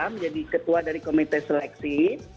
menjadi ketua dari komite seleksi